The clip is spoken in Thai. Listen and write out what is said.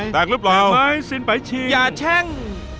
แตกใหม่สินไพรชิง